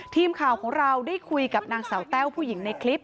ทีมข่าวของเราได้คุยกับนางสาวแต้วผู้หญิงในคลิป